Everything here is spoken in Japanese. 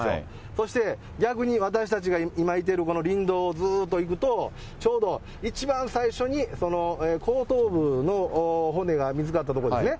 そして、逆に私たちが今いてるこの林道をずっと行くと、ちょうど一番最初に後頭部の骨が見つかった所ですね。